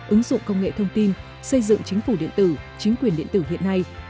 ứng dụng công nghệ thông tin xây dựng chính phủ điện tử chính quyền điện tử hiện nay